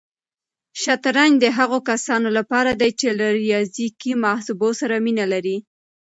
شطرنج د هغو کسانو لپاره دی چې له ریاضیکي محاسبو سره مینه لري.